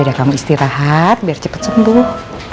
ya udah kamu istirahat biar cepet sembuh